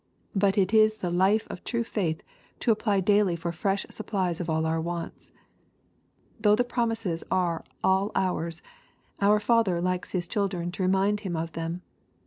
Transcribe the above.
But it is the life of true faith to apply daily for fresh supplies of all our wants. Though the promises are all ours, our Father likes His children to remind Him of them.